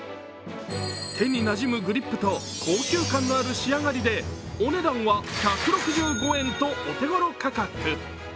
手になじむグリップと高級感のある仕上がりでお値段は１６５円とお手ごろ価格。